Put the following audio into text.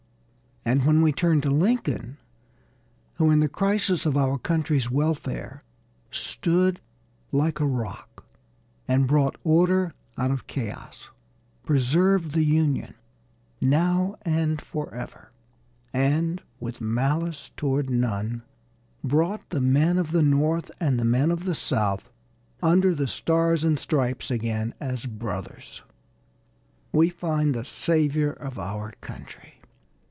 And when we turn to Lincoln, who in the crisis of our country's welfare stood like a rock and brought order out of chaos, preserved the Union, "now and forever," and, with "malice toward none," brought the men of the North and the men of the South under the Stars and Stripes again as brothers we find the Savior of our Country.